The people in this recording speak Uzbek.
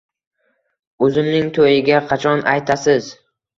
Uzumning to‘yiga qachon aytasiz?!